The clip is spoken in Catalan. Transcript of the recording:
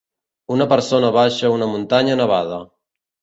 Una persona baixa una muntanya nevada.